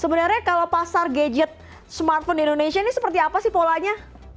sebenarnya kalau pasar gadget smartphone di indonesia ini seperti apa sih polanya